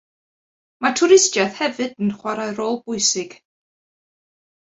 Mae twristiaeth hefyd yn chwarae rôl bwysig.